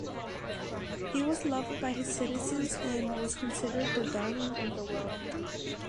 He was loved by his citizens and was considered the darling of the world.